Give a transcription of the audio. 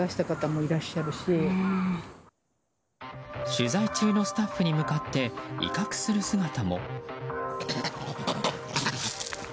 取材中のスタッフに向かって威嚇する姿も。